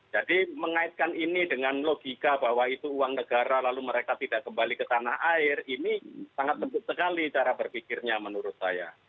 jadi mengaitkan ini dengan logika bahwa itu uang negara lalu mereka tidak kembali ke tanah air ini sangat penting sekali cara berpikirnya menurut saya